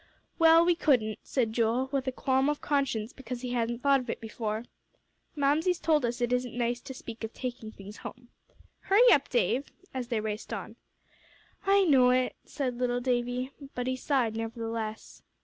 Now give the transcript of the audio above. "Well, we couldn't," said Joel, with a qualm of conscience because he hadn't thought of it before; "Mamsie's told us it isn't nice to speak of taking things home. Hurry up, Dave," as they raced on. "I know it," said little Davie. But he sighed, nevertheless.